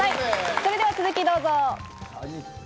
それでは続きをどうぞ。